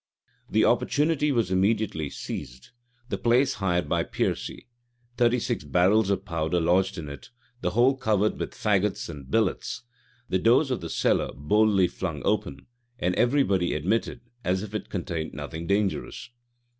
The opportunity was immediately seized; the place hired by Piercy; thirty six barrels of powder lodged in it; the whole covered up with fagots and billets; the doors of the cellar boldly flung open; and every body admitted, as if it contained nothing dangerous.